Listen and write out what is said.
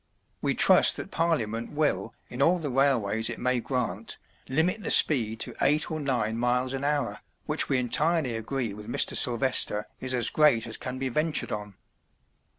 We trust that Parliament will, in all the railways it may grant, limit the speed to eight or nine miles an hour, which we entirely agree with Mr. Sylvester is as great as can be ventured on."